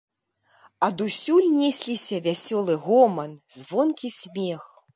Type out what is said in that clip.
Адусюль несліся вясёлы гоман, звонкі смех.